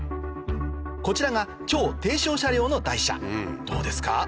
こちらが超低床車両の台車どうですか？